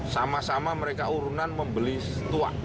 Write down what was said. sama sama mereka urunan membeli tua